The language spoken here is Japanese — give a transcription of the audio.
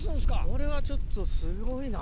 これはちょっとすごいな。